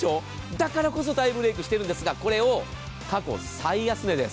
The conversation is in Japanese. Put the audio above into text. だからこそ大ブレークしているんですがこれを過去最安値です。